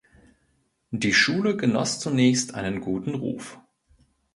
Die Schule genoss zunächst einen guten Ruf.